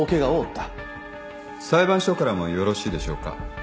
裁判所からもよろしいでしょうか。